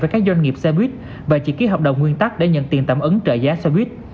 với các doanh nghiệp xe buýt và chỉ ký hợp đồng nguyên tắc để nhận tiền tạm ứng trợ giá xe buýt